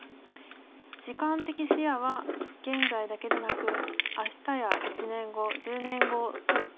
時間的視野は現在だけでなく明日や１年後１０年後といった